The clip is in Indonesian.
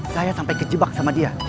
saya sampai kejebak sama dia